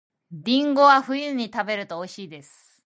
りんごは冬に食べると美味しいです